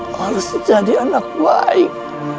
harus jadi anak baik